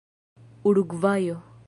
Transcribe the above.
urugvajo